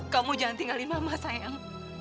kamu jangan tinggalin mama sayang